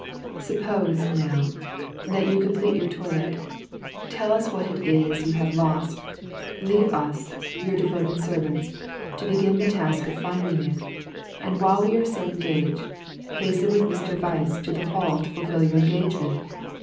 Suppose, now, that you complete your toilet, tell us what it is you have lost; leave us your devoted servants to begin the task of finding it, and while we are so engaged, hasten with Mr. Weiss to the hall to fulfil your engagement?